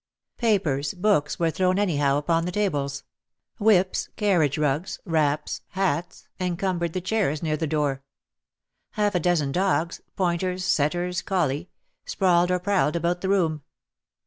Papers, books were thrown anyhow upon the tables ; whips, carriage rugs, wraps, hats, encumbered the chairs near the door. Half a dozen dogs — pointers, setters, collie — sprawled or prowled about the room.